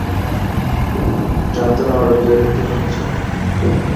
তুমি জানতে না ওরা বিয়ে করতে চলেছে।